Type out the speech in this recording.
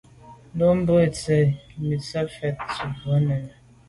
Lo’ mbwe nse’ yi me sote mfèt tô bo nène.